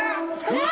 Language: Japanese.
うわ。